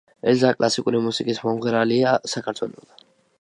ელზა კლასიკური მუსიკის მომღერალია საქართველოდან.